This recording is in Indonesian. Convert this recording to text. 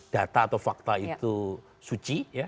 data atau fakta itu suci